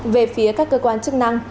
về phía các cơ quan chức năng